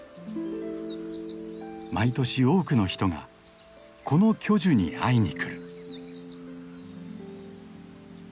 毎年多くの人がこの巨樹に会いにくる。